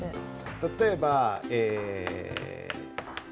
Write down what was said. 例えばえ。